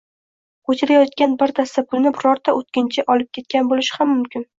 Koʻchada yotgan bir dasta pulni birorta oʻtkinchi olib ketgan boʻlishi ham mumkin